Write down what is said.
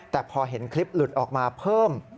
แต่พอเห็นคลิปหลุดออกมาเพิ่ม